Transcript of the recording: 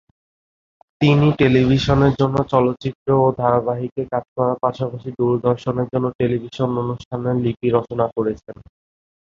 তিনি টেলিভিশনের জন্য চলচ্চিত্র ও ধারাবাহিকে কাজ করার পাশাপাশি দূরদর্শনের জন্য টেলিভিশন অনুষ্ঠানের লিপি রচনা করেছেন।